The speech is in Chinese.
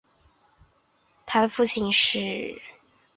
他的父亲是阿什肯纳兹犹太人。